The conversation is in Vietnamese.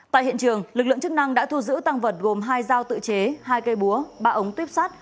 tại hiện trường lực lượng chức năng đã thu giữ tăng vật gồm hai dao tự chế hai cây búa ba ống tuyếp sắt